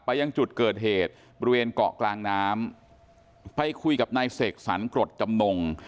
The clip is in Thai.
ยังจุดเกิดเหตุบริเวณเกาะกลางน้ำไปคุยกับนายเสกสรรกรดจำนง